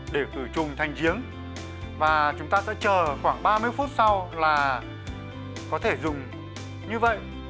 để khử trùng thành giếng và chúng ta sẽ chờ khoảng ba mươi phút sau là có thể dùng như vậy